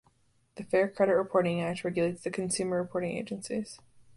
The Fair Credit Reporting Act regulates the consumer reporting agencies.